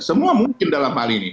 semua mungkin dalam hal ini